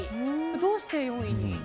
どうして４位に？